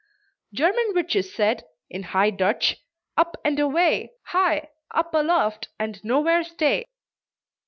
German witches said (in High Dutch:) "Up and away! Hi! Up aloft, and nowhere stay!"